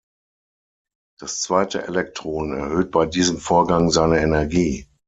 Das zweite Elektron erhöht bei diesem Vorgang seine Energie.